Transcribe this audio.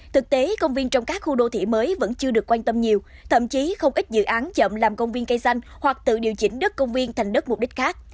thực tế công viên trong các khu đô thị mới vẫn chưa được quan tâm nhiều thậm chí không ít dự án chậm làm công viên cây xanh hoặc tự điều chỉnh đất công viên thành đất mục đích khác